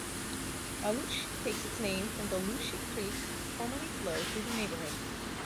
Aluche takes its name from the Luche creek that formerly flowed through the neighbourhood.